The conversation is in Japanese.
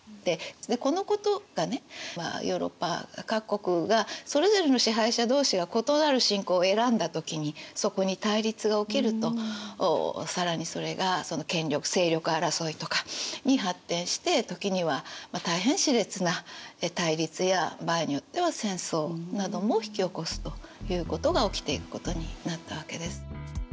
このことがねヨーロッパ各国がそれぞれの支配者同士が異なる信仰を選んだ時にそこに対立が起きると更にそれが権力勢力争いとかに発展して時には大変しれつな対立や場合によっては戦争なども引き起こすということが起きていくことになったわけです。